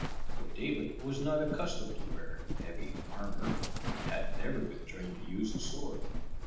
But David was not accustomed to wear heavy armour, and had never been trained to use a sword.